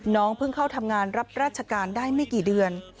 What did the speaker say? เพิ่งเข้าทำงานรับราชการได้ไม่กี่เดือน